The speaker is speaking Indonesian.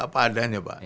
padahal ya pak